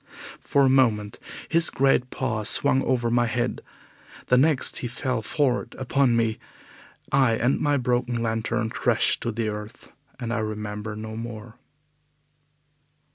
For a moment his great paws swung over my head. The next he fell forward upon me, I and my broken lantern crashed to the earth, and I remember no more.